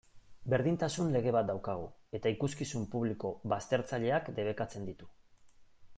Berdintasun lege bat daukagu, eta ikuskizun publiko baztertzaileak debekatzen ditu.